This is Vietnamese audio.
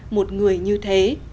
một người như thế